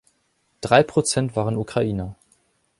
Drei Prozent waren Ukrainer.